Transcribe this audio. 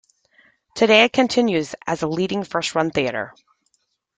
Today it continues as a leading first run theater.